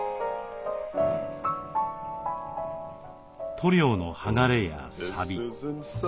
塗料の剥がれやさび。